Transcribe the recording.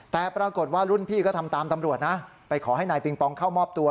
แต่ปรากฏว่ารุ่นพี่ก็ทำตามตำรวจนะไปขอให้นายปิงปองเข้ามอบตัว